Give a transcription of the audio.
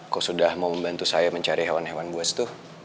kau sudah mau membantu saya mencari hewan hewan buat setuh